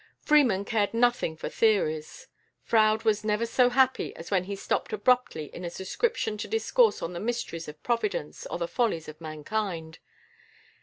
Freeman cared nothing for theories; Froude was never so happy as when he stopped abruptly in a description to discourse on the mysteries of Providence or the follies of mankind.